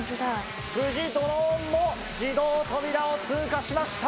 無事ドローンも自動扉を通過しました。